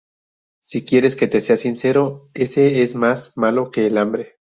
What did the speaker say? Si quieres que te sea sincero, ese es más malo que el hambre.